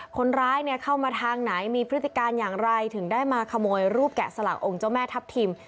คนร้ายเข้ามาทางไหนมีพฤติการอย่างไรถึงได้มาขโมยรูปแกะสลักองค์เจ้าแม่ทัพทิม